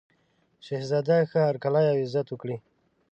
شهزاده ښه هرکلی او عزت وکړي.